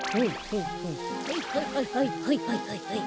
はいはいはいはいはいはいはいはい。